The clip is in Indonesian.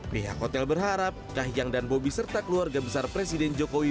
pihak hotel berharap kahiyang dan bobi serta keluarga besar presiden jokowi